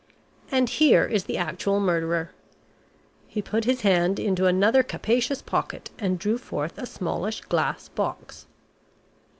And here is the actual murderer." He put his hand into another capacious pocket and drew forth a smallish, glass box.